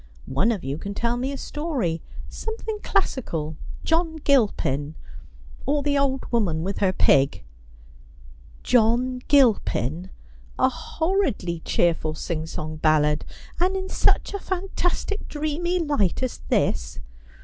One of you can tell me a story — something classical — John Gilpin, or the Old Woman with her Pig.' ' John Gilpin ! a horridly cheerful singsong ballad — and in such a fantastic dreamy light as this